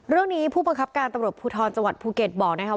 เรื่องนี้ผู้ประครับการตรวจปุฏญ์ภูตรจังหวัดภูเก็ตบอกนะครับ